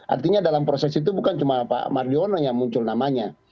artinya dalam proses itu bukan cuma pak mardiono yang muncul namanya